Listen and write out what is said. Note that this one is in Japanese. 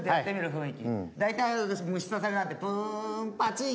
雰囲気大体虫刺されなんてプンパチン！